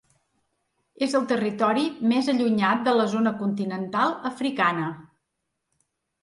És el territori més allunyat de la zona continental africana.